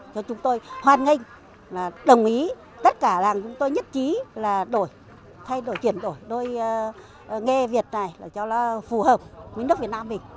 cho chúng tôi hoan nghênh và đồng ý tất cả làng chúng tôi nhất trí là đổi thay đổi chuyển đổi đôi nghe việt này là cho nó phù hợp với nước việt nam mình